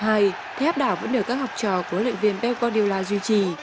thay áp đảo vấn đề các học trò của luyện viên pep guardiola duy trì